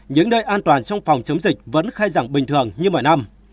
những nơi an toàn trong phòng chống dịch vẫn khai rẳng bình thường như mỗi năm